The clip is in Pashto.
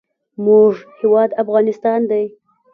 زموږ هیواد افغانستان دی.